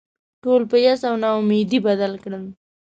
ټول په یاس او نا امیدي بدل کړل.